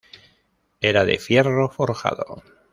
Era de fierro forjado.